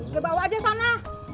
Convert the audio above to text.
gue bawa aja sana